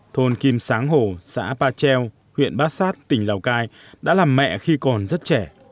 thôn kim sáng hồ xã pa treo huyện bát sát tỉnh lào cai đã làm mẹ khi còn rất trẻ